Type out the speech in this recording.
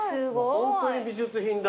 ホントに美術品だ。